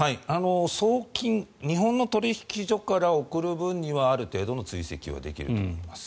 送金日本の取引所から送る分にはある程度の追跡はできると思います。